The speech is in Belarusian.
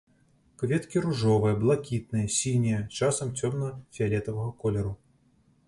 Кветкі ружовыя, блакітныя, сінія, часам цёмна-фіялетавага колеру.